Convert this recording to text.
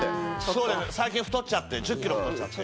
そうですね最近太っちゃって１０ｋｇ太っちゃって。